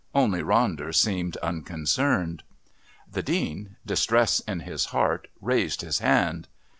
Only Ronder seemed unconcerned. The Dean, distress in his heart, raised his hand.